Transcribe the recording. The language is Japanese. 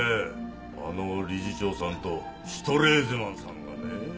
あの理事長さんとシュトレーゼマンさんがねぇ。